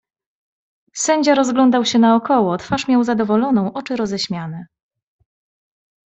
"Sędzia rozglądał się naokoło, twarz miał zadowoloną, oczy roześmiane."